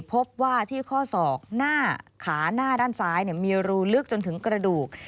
พบว่าที่ข้อศอกหน้าขาหน้าด้านซ้ายมีรูลึกจนถึงกระดูก